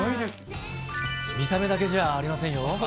見た目だけじゃありませんよ。